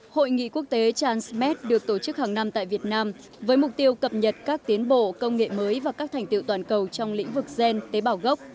hội nghị quốc tế transmed được tổ chức hàng năm tại việt nam với mục tiêu cập nhật các tiến bộ công nghệ mới và các thành tiệu toàn cầu trong lĩnh vực gen tế bảo gốc